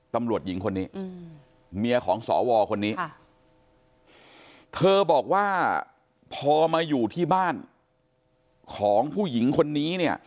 ตำรวจหญิงคนนี้เมียของสวคนนี้เธอบอกว่าพอมาอยู่ที่บ้านของผู้หญิงคนนี้เนี่ย